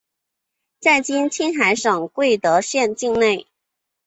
在今青海省贵德县境内。